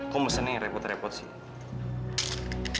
kok mesennya repot repot sih